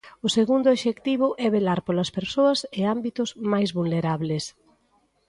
O segundo obxectivo é velar polas persoas e ámbitos máis vulnerables.